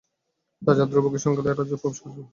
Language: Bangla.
রাজা ধ্রুবকে সঙ্গে লইয়া রাজ্যে প্রবেশ করিলেন।